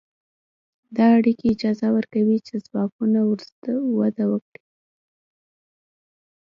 دا اړیکې اجازه ورکوي چې ځواکونه وده وکړي.